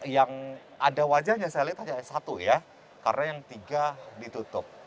yang ada wajahnya saya lihat hanya satu ya karena yang tiga ditutup